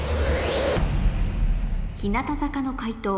日向坂の解答